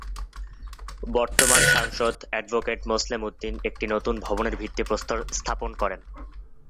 বর্তমান সাংসদ অ্যাডভোকেট মোসলেম উদ্দিন একটি নতুন ভবনের ভিত্তি প্রস্তর স্থাপন করেন।